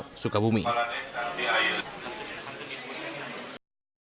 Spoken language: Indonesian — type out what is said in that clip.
kabupaten kabupaten kabupaten kabupaten kabupaten